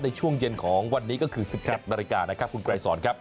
ในช่วงเย็นของวันนี้ก็คือ๑๗นาฬิกานะครับคุณไกรสอนครับ